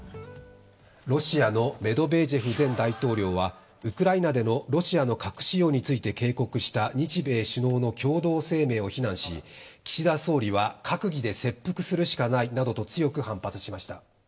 ロシアのメドベージェフ前大統領はウクライナでのロシアの核使用について警告した日米首脳の共同声明を非難し岸田総理は閣議で切腹するしかないなどと強く反発しました。